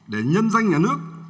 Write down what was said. để nhân danh nhà nước